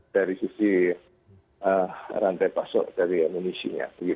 dari sisi rantai pasok dari emunisinya